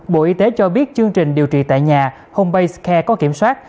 bộ y tế cho biết chương trình điều trị tại nhà home base care có kiểm soát